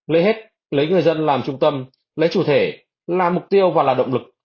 lấy hết lấy người dân làm trung tâm lấy chủ thể là mục tiêu và là động lực